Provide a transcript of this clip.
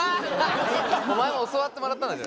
お前も教わってもらったんだぞ。